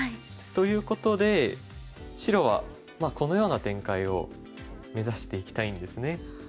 ということで白はこのような展開を目指していきたいんですね。